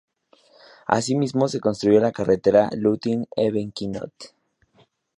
Asimismo se construyó la carretera Iultin-Egvekinot.